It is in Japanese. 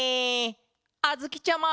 あづきちゃま！